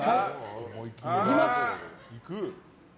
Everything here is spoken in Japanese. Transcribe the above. いきます。